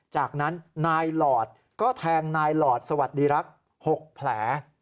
จากนั้นนายหลอดก็แทงนายหลอดสวัสดีรักษ์๖แผล